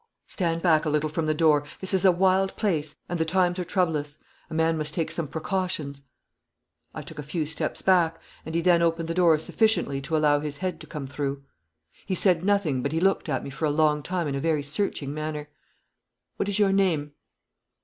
'Stand back a little from the door. This is a wild place, and the times are troublous. A man must take some precautions.' I took a few steps back, and he then opened the door sufficiently to allow his head to come through. He said nothing, but he looked at me for a long time in a very searching manner. 'What is your name?'